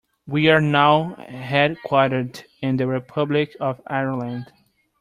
We are now headquartered in the Republic of Ireland.